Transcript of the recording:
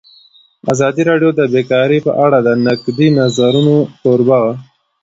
ازادي راډیو د بیکاري په اړه د نقدي نظرونو کوربه وه.